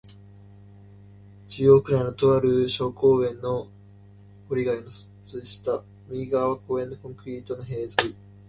中央区内の、とある小公園の塀外へいそとでした。右がわは公園のコンクリート塀べい、左がわはすぐ川に面している、さびしい場所です。